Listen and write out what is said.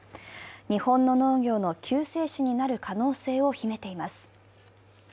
日本の農業の救世主になる可能性を秘めています。